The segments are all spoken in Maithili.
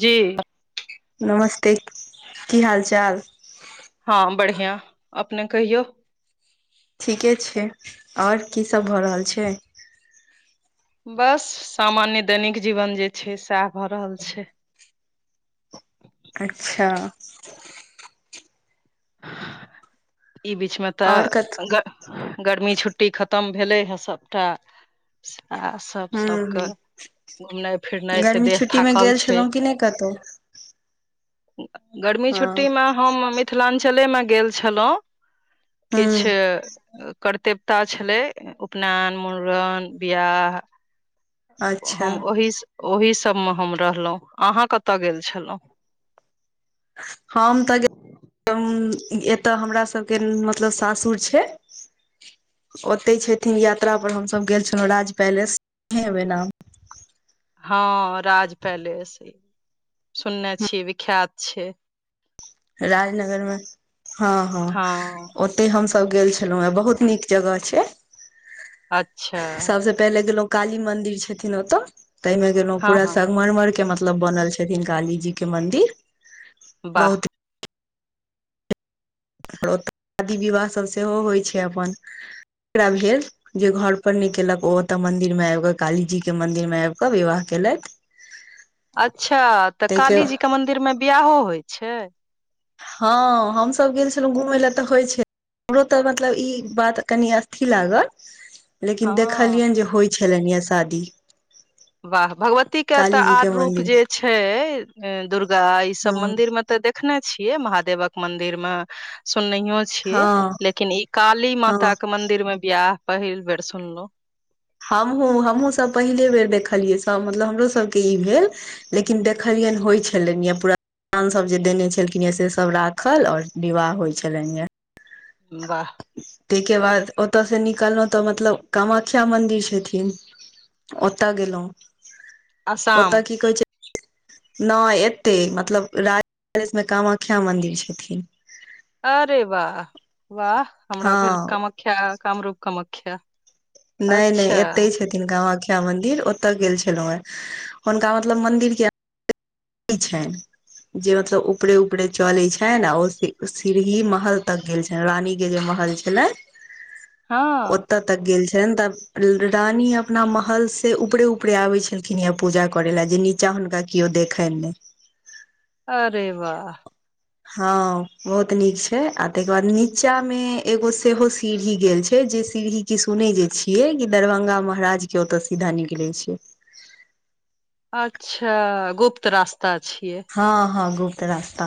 जी। नमस्ते! की हाल-चाल ‌। हाँ हम बढ़ियाँ, अपने कहियौ। ठीके छैय, और की सब भऽ रहल छैय? बस सामान्य दैनिक जीवन जे छै, सएह भऽ रहल छैय। अच्छा। ई बीचमे तऽ आओर कत गर गर्मी छुट्टी खतम भेलै हे, सबटा सास सब-सबके ह घुमनाइ-फिरनाइ से गर्मी देह छुट्टी मे थाकल गेल छलहुँ छैय। कि नहि कतहु गर्मी हँ छुट्टीमे हम, मिथिलांजलेमे गेल छलौ। किछु ह कर्तव्यता छलै, उपनयन, मुड़न, बियाह। अच्छा हम ओहि ओहि सबमे हम रहलहुँ, अहाँ कतऽ गेल छलौ? हम तऽ गे एतअ हमरा सबके मतलब सासुर छै। ओते छथिन यात्रा पर हमसब गेल छलौ राज पेलेस इ नाम हाँ राज पेलेस सुनने छी, विख्यात छै। राजनगरमे हाँ हाँ हँ ओ तै हमसब गेल छलौ हे, बहुत निक जगह छै। अँच्छा! सबसे पहिले गेलों काली मंदिर छथिन ओते, तै मे गेलौ हँ पूरा हँ सगमरमर के मतलब बनल छै। रहिन काली जी के मंन्दिर! बाह! और ओतअ शादी विवाहसब सेहो होइ छै अपन, एकरा भेल। जे घर पर नै केलक, ओ ओतऽ मंदिर मे आबि कऽ कालीजी के मंदिर मे आबि कऽ विवाह केलथि। अँच्छा! तऽ ताहिके काली जी के मंन्दिर मे बियाहो होइ छै। हाँ हमसब गेल छलौ घूमै लेए तऽ होइ छै। हमरो तऽ मतलब इ बात कनि अथि लागल। लेकिन हँ देखलियन जे होइ छलनि या शादी। बाह! भगवती के तऽ काली जी आर रूप मंदिर जे छै, दुर्गा इसब हँ मंदिर मे त देखने छियै, महादेवक मंदिर मे सुननैहियो छियै, हँ लेकिन इ काली माता हँ के मंदिर मे बियाह पहिल बेर सुनलउ। हमहूँ हमहूँ सब पहिले बेर देखलियै, साम मतलब हमरो सब के इ भेल लेकिन देखलियैन होइ छलैन या पूरा आन सब जे देने छलखिन ये से सब राखल और विवाह होइ छलैन यैऽ। बाह। तै के बाद ओतऽ स निकलौं तऽ मतलब कमख्या मन्दिर छथिन। ओतऽ गेलौं, आसाम ओतऽ कि कहै छै? नाइ एतै मतलब राजे [inaudible] में कामाख्या मन्दिर छथिन। अरे बाह, बाह हमरा हँ भेल कमख्या कामरू कमख्या। नै नै एतै छत थीन कामाख्या मंदिर ओतऽ गेल छलौं आइ हुनका मतलब मंदिल जैऽ इ छैइन? जे मतलब ऊपरे ऊपरे चलै छैन, ओ सी-सीड़ही महल तक गेल छै रानी के जे महल छलै [inaudible] ओतऽ त गेल छैन तब रानी अपना महल से ऊपरे ऊपरे आबै छलखिन यैऽ पूजा करै लैऽ जे नी चा हुनका कियो देखैन नै। अरे बाह। हाँ बहुत निक छै आ तैके बाद निचा में एगो सेहो सीड़्ही गेल छै, जे सीड़्ही कि सुनै जे छियै कि दरभंगा महाराज के ओतऽ सीधा निकलै छै। अच्छाऽ, गुप्त रास्ता छियै? हाँ-हाँ गुप्त रास्ता।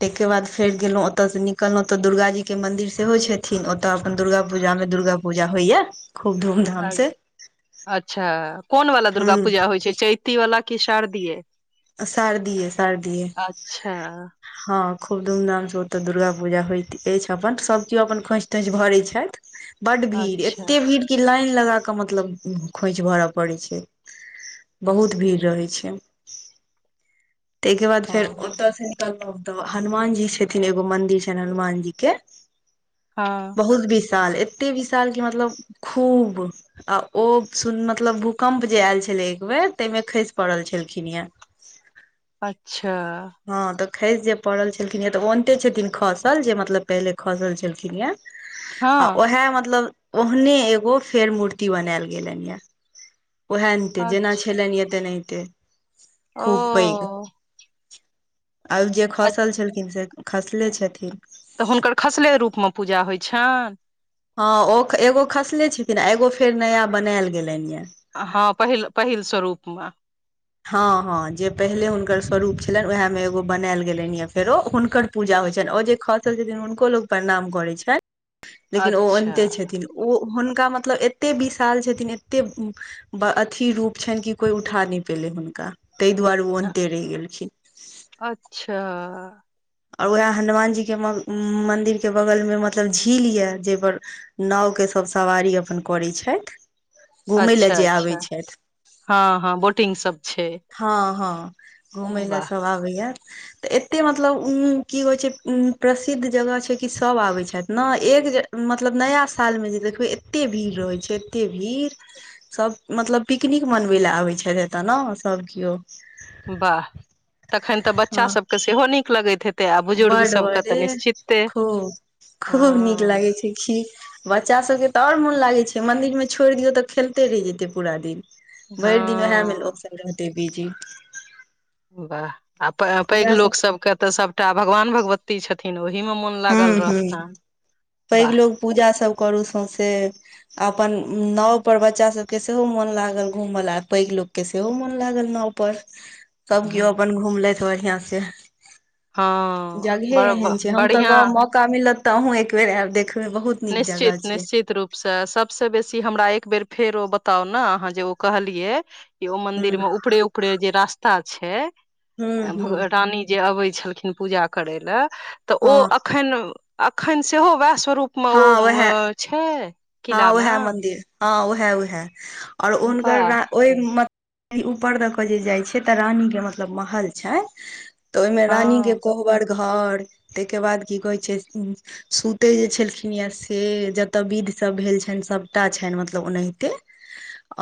तैके बाद फेर गेलौं ओतऽ स निकलौं तऽ दुर्गाजी के मन्दिर सेहो छेथिन ओ तऽ अपन दुर्गा पूजा में दुर्गा पूजा होइयैऽ। खुब धूमधा अ-अच्छा, कोन बला दुर्गा पूजा हूँ होइ छै चैती वला कि शारदीय? शारदीये-शारदीये। अच्छा हाँ खुब धूम धाम स ओतऽ दुर्गा पूजा होइत अईछ अपन, सब कियो अपन खोंइछ तोंइछ भरै छाईथ। बड्ड भीड़, अच्छा एते भीड़ कि लाइन लगाकऽ मतलब खोंईछ भरऽ पड़ै छै, बहुत भीड़ रहै छैं। तैके बाद हँ फेर ओतऽ से निकलौं तऽ हनुमान जी छथिन, एगो मंदिर छैन हनुमान जी के हँ। बहुत बिसाल, एते विशाल की मतलब खूब आ ओ सुन मतलब भूकम्प जे ऐऽल छले एक बेेर तैइ में खैस पड़ल छलखिन यैंऽ। अच्छा। हँ तऽ खैइस जे पड़ल छलखिन ये तऽ ओनते छथिन खसल जे मतलब पहिले खसल छलखिन यैऽ। आ हँ ओहैऽ मतलब ओहने एगो फेर मूर्ति बनैऽल गेलैन यैऽ। ओहैऽनते जेना अच्छा छेलैन या तेनाहिते खूब पैघ। ओ आव जे अच्छ- खसल छलखिन से खसले छथिन। तऽ हुनकर खसले रूप में पूजा होइ छान? हँ, ओ ख-एगो खसले छथिन आ एगो फेर नया बनैऽल गेलैन यैऽ। हँ पहिल-पहिल स्वरूप में। हँ-हँ जे पहिले हुनकर स्वरूप छलैन, ओहैऽ में एगो बनैऽल गेलैन यैऽ फेरो हुनकर पूजा होइ छैइन, ओ जे खसल जतिन हुनको लोग परणाम करै छै, लेकिन ओ अच्छा ओन्ते छथिन। ओ हुनका मतलब एते बिशाल छथिन एते अथी रूप छनि कि कोई उठा नहि पयेलै हुनका ताहि दुआरे ओ अ- अन्ते रहि गेलखिन। अच्छा। आ उएह हनुमान जी के म मंदिर के बगल में मतलब झील यए जेपर नाँव के सब सवारी अपन करै छथि घूमयै लऽ अच्छा जे अच्छा आबै छथि। हँ हँ बोटिंग सब छै। हँ हँ घूमय ले वाह सब आबैया। तऽ एतेय मतलब की होइत छै प्रसिद्ध जगह छै कि सब आबैत छथि ने एक जे मतलब नया सालमे जे देखबै एतेक भीड़ रहैत छै एतेक भीड़। सब मतलब पिकनिक मनबै लए आबै छै एतऽ ने सब कीयो। बाह तखन तऽ बच्चा हँ सब के सेहो नीक लगैत हेत बड बडे खूब खूब नीक लागै हँ छै। की बच्चा सब के तऽ आऔर मोन लागे छै मंदिर मे छोड़ि दियौ तऽ खेलते रहि जेते पूरा दिन। हँ भइर दिन उहएह में लोग सब रहते बीजी। बाह आ प-पैघ लोक सब के तऽ सबटा भगवान भगवती छथिन ओहि मे मोन लागल हूँ हूँ रहता। पैघ लोग पूजा सब करू सौंसे। अपन नाव पर बच्चा सबके सेहो मोन लागल घूमऽ ल पैघ लोक के सेहो मोन लागल नाव पर। सब कीयो अपन घुमलथि बढ़ियाँ से। हँ जगहे बड़ एहन छै हम तऽ बढ़िआँ गाम मौका मिलत तऽ अहूँ एक बेेर आयब देखब में बहुत नीक निश्चित जगह छै निश्चित रूप। से सब सँ बेसी हमरा एक बेेर फेर ओ बताउ न अहाँ जे ओ कहलियै। इहो मंदिर मे हूँ ऊपरे ऊपरे जे रास्ता छै हूँ भग हूँ रानी जे अबै छलखिन पूजा करय लए तऽ ओ हँ अखन अखन सेहो वएह स्वरूप। मऽ ओ हँ उएह मऽ ऽछै। हँ उएह मंदिर हँ उएह उएह और हुनकर वाह ओहि मत ऊपर दऽ कऽ जे जाइ छैय तऽ रानी के मतलब महल छै। तऽ ओहि में रानी के हँ कोहबर घर ताहिके बाद की कहै छै सुतै जे छलखिन या से जतऽ विध। सब भेल छनि सबटा छनि मतलब ओनैहिते।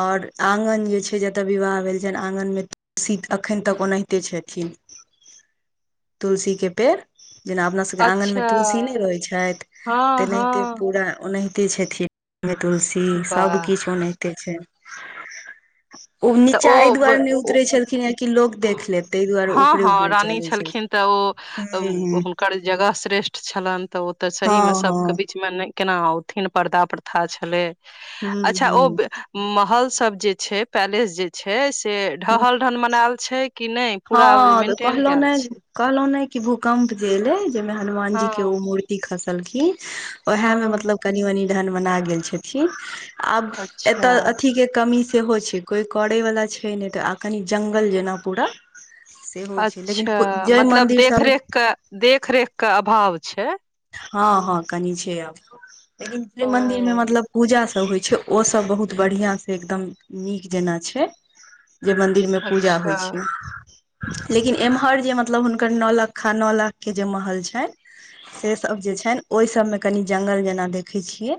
ओर आङ्गन जे छै जतय विवाह भेल छनि आङ्गन में शीत एखन तक ओनैहिते छथिन। तुलसी के पेड़। जेना अपना सबके आँगन मे अच्छा तुलसी नहि रहै छेथ हँ हँ तेनाहिते पूरा ओनाहित की छथिमे तुलसी वाह सबकिछ ओनैहिते छै। ओ नीचा एहि दुआरे नै ओ- उतरै छलखिनहे कि लोग देख लेत तयह दुआरे हँ ऊपरे हँ ऊपरे रानी चलै छै ह्म। ओकर जगह श्रेष्ठ छलन तऽ ओते हँ सही मे सबके भी हँ बीच में ने केना औथिन पर्दा प्रथा छलै हूं अच्छा हूं ओ हूं महल सब जे छै पेलेस जे छै से ढहल ढन मनायल छै। कि नहि पूरा मेंटेन केल छै। कहलहु नै कि भूकम्प जे एलै जाहिमे हनुमान हँ जी के ओ मूर्ति खसलखिन। वोहय में हँ मतलब कनि मनि ढन मना गेल छथिन आब अच्छा एतऽ अथी के कमी सेहो छै कोई करै वला छै नहि तऽ आ कनि जंगल जेना पूरा। सेहो छै लेकिन अच्छा जय मतलब मंदिर सबमे देखरेख के देखरेख के अभाव छै। हँ- हँ कनि छै अभाव, लेकिन शिव ओ मंन्दिर मे मतलब पूजा सब होइ छै, ओ सब बहुत बढ़िया से एकदम नीक जेना छै, जे म जइमे पूजा अच्छा होइ छै। लेकिन एम्हर जे मतलब हुनकर नौ लखा, नौ लाख के जे महल छै। से सब जे छैन, ओय सबमें कनि जंगल जेना देखै छियै।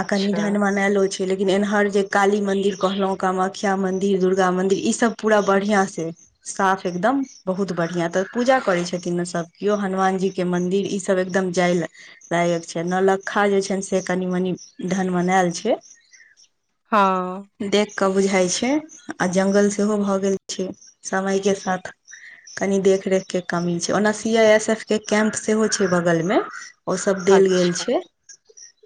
आ कनि ढन मनेलो छै। लेकिन एनहर जे काली मंदिर कहलहु, कामाख्या मंदिर, दुर्गा मंदिर, ई सब पूरा बढ़ियां से साफ एकदम, बहुत बढ़िया, तऽ पूजा करै छथिन ने सभ केओ, हनुमान जी के मंदिर, ई सब एकदम जाय लय। लायक छै, नौ लखा जे छैन से कनि- मनि ढन मनायल छै। हँ। देख कऽ बुझाय छै, आ जंगल सेहो भ गेल छै, समय के साथ। कनि देखरेख के कमी छै, ओना सीआइएसएफ के कैम्प सेहो छै बगलमे। ओ सब देल गेल अच्छा छै,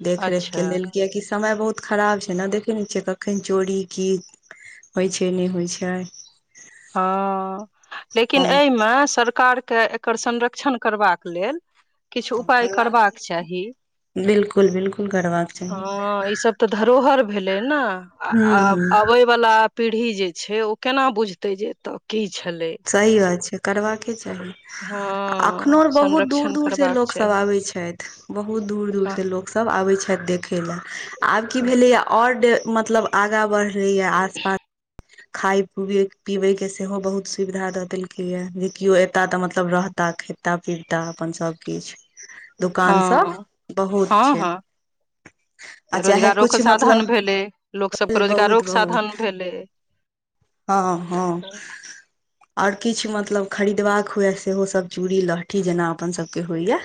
देख-रेख के अच्छा लेल, कियाकि समय बहुत खराब छै ने, देखे ने छियै कखन चोरी की होइ छै, नै होइ छै। हँ, लेकिन हम एह में सरकार के इकर संरक्षण करबाक लेल, किछु उपाय करबाक चाही। बिल्कुल बिल्कुल करबाक चाही हँ, ई सब तऽ धरोहर भेलै ने, अ हूं -अ हूं अबैय वला पीढ़ी जे छै, ओ केना बुझते जे एत की छले। सही अछि करबाक कि चाही, हँ आ अखनो बहुत दूर- संरक्षण दूर से करबाक लोग सब चाही आबे छेत। बहुत दूर - दूर हँ से लोग सभ आबै छैथ, देखय लेय। आब की भेलैया, ओढ मतलब आगा बढलेये आसपास। खाय पीएबे पीबे के सेहो बहुत सुविधा दऽ देलकै ये जे, केओ एता तऽ, मतलब रहता खेता -पीबता अपन सब किछ। दोकान हँ, बहुत हँ छै -हँ। आ चाहे रोजगारोके कुछ साधन मतलब भेलै, लोग सभके बहुत रोजगारोके साधन बहुत भेलै। हँ -हँ। तऽ ओर किछ मतलब खरीदबाक हुए, सेहोसभ चूड़ी- लहठी जेना अपन सभके होइएा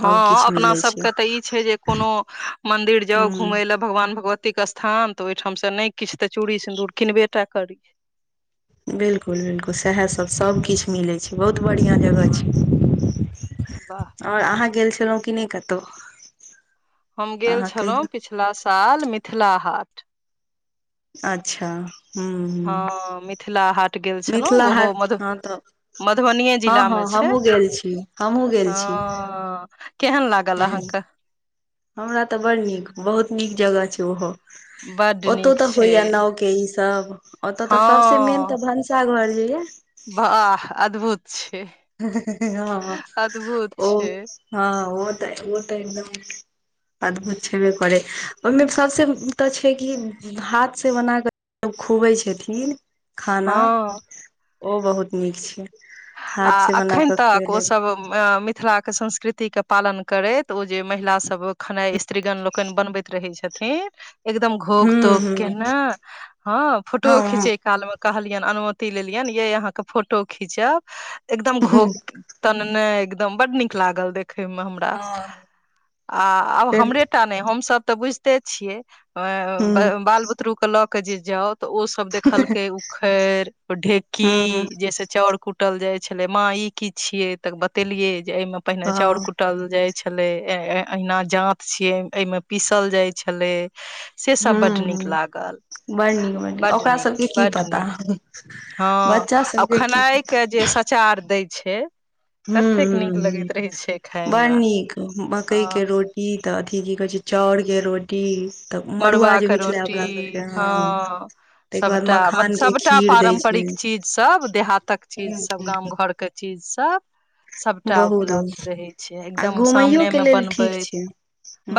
हँ अपना सब के तऽ ई छै, जे कोनो मंदिर जाउ घुमे हूँ लऽ भगवान! भगवती के स्थान, तऽ ओहिठाम से नै किछ तऽ चूड़ी सिन्दूर किनबे टा करी। बिलकुल- बिलकुल! सेहासभ सब किछ मिलै छै, बहुत बढ़िआँ जगह छै। वाह। और अहाँ गेल छलहुँ कि नै कतो? हम गेल छलहुँ पिछला साल मिथिला हाट। अच्छा! हुँ। हँ मिथिला हाट गेल छलहुँ, ओहो मध हँ तऽ मधुबनिए हँ हँ जिलामे छै। हमहूँ गेल छी हमहूँ गेल छी हँ, केहन लागल हँ अहाँके? हमरा तऽ बड़ नीक, बहुत नीक जगह छै ओहो! बड्ड ओतौ नीक तऽ छै होइया नाव के ई सब। ओत तऽ हँ सबसे मेन तऽ भनसाघर जे अई। वाह! अद्भुत छै। हँ, अद्भुत ओ छै हँ ओ त ओ तऽ एकदमे अदभुत छेबे करै, ओहिमे सबसँ तऽ छै कि, हाथ से बना कऽ सँ खुबै छथिन खाना, हँ ओ बहुत नीक छै। आ हाथ से बना अखैन कऽ तक खुएलक ओसब मिथिला के संस्कृति के पालन करैत, ओ जे महिला सब खेनाइ स्त्रीगण लोकनि बनबैत रहै छथिन एकदम घोघ हूँ तोघ हूँ केने, हँ फोटोओ खींचे काल मे कहलियनि, अनुमति लेलियनि यै अहाँ के फोटो खींचब एकदम घोघ तनने, एकदम बड नीक लागल देखै में हमरा। हँ आ आब से हमरेटा नै, हमसब तऽ बुझिते छियै हूँ अ बाल बुतरु के लऽ के जे जाउ तऽ ओ सब देखलकै उखैड़, ढेकी हूं जैसे चाउर कुट कुटल जाइ छलै, माँ ई की छियै तऽ बतेलियै जे एहिमे पहिने चाउर हँ कु कूटल जाइ छलै, अहिना जांत छियै एहिमे पीसल जाइ छलै। से सब हूं बड नीक हूं लागल। बड़ नीक बड़ बड ओकरा नीक सबके की बड पता नीक, हँ बच्चा आ सबके की खेनाइ पता के जे सचार दै छै हुम्म कतेक नीक हुम्म, लगैत रहै छै खाय बड़ मे नीक मकई के रोटी ई तऽ अथी की कहै छै चाउर के रो मड़ुआ के रोटी हँ ताहिके बाद सबटा, मत मखान के सबटा खीर दै छै पारम्परिक चीज सब, देहातक चीज सब गाम घर के के चीज सब। सबटा बहुत उपलब्ध रहै छै आ एकदम घुमैयो के सामनेमे लेल ठीक बनबैत छै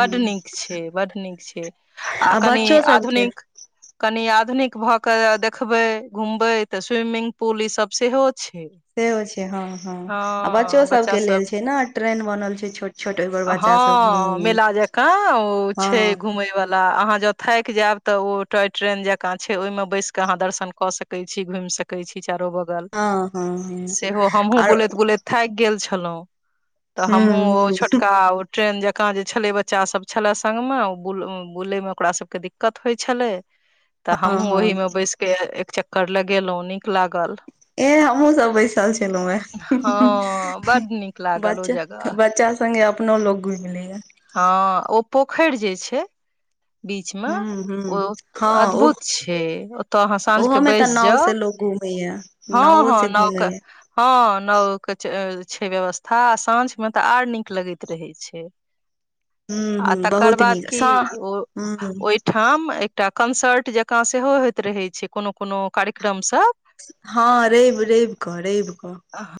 बड नीक छै बड नीक छै आ कनि बच्चो सबके आधुनिक कनि आधुनिक भऽ कऽ देखबे घूमबे तऽ स्विमिंग पूल ई सब सेहो छै। सेहो छै हँ हँ, आ बच्चो बच्चा सबके लेल सब छै न ट्रेन बनल छै छोट छोट ओहि पर बच्चा सब हँ घूमी मेला जकाँ ओ छै हँ घुमयवला ला अहाँ जं थाकि जायब त टॉय ट्रेन जकां छै ओहि मे बैस के अहाँ दर्शन कऽ सक सकै छी घुमि सकै छी चारो बगल हँ हँ हँ सेहो हमहुँ आर बुलैत -बुलैत थाकि गेल छलहुँं तऽ हुं हमहुँ ओ हुं छोटका ट्रेन जकाँ जे छलै बच्चा सब छले संग मे ओ बुलै मे ओकरा सबके दिक्कत होइ छैले तऽ हँ हमहु ओहि हँ मे बैस के एक चक्कर लगेलहुँ नीक लागल। एह हमहुँ सब बैसल छलहुं हँ हे बड नीक ब लागल ओ जगह बच्चा सङ्गे अपनो लोक घुमि लैये। हँ ओ पोखरि जे छै बीचमे हुं हुं ओ हँ ओ अद्भुत छै, ओतऽ अहाँ ओहो साँझके मे तऽ बैस नाव जाउ से लोग घूमैये हँ नावो हँ से नौका घूमैये हँ नाव के छै व्यवस्था, आ साँझ में त आर नीक लगैत रहै छै। [inaudible] हुं आ तकर हबहुत बाद नीक की सा ओ हुम्म ओहिठाम एकटा कंसर्ट जकां सेहो होइत रहै छै कोनो -कोनो कार्यक्रम सब हँ रैव रैव कऽ रैवकऽ। आ।